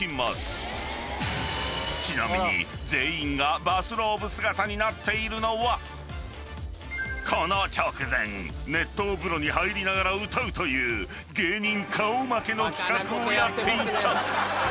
［ちなみに全員がバスローブ姿になっているのはこの直前熱湯風呂に入りながら歌うという芸人顔負けの企画をやっていた］